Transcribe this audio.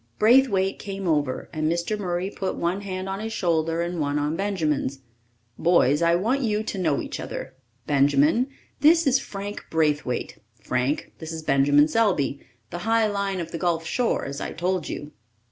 Braithwaite came over, and Mr. Murray put one hand on his shoulder and one on Benjamin's. "Boys, I want you to know each other. Benjamin, this is Frank Braithwaite. Frank, this is Benjamin Selby, the high line of the gulf shore, as I told you."